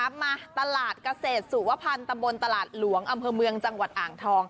มาตลาดเกษตรสุวพันธ์ตำบลตลาดหลวงอำเภอเมืองจังหวัดอ่างทอง